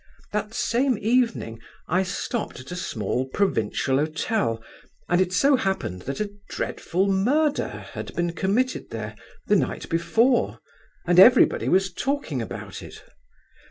"That same evening I stopped at a small provincial hotel, and it so happened that a dreadful murder had been committed there the night before, and everybody was talking about it.